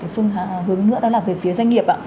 phương hướng nữa đó là về phía doanh nghiệp